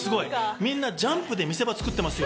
みんなジャンプで見せ場を作ってますよ。